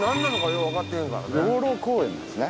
養老公園ですね。